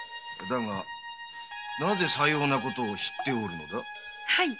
だがなぜさようなことを知っておるのだ？